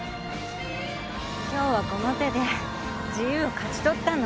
「今日はこの手で自由を勝ち取ったの］